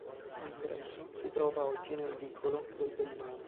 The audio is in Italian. L'ingresso si trova oggi nel vicolo del Bellone.